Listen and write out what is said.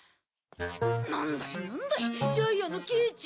なんだいなんだいジャイアンのケチ。